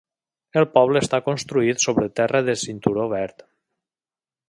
El poble està construït sobre terra de cinturó verd.